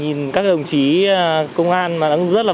nhìn các đồng chí công an mà rất là vất vả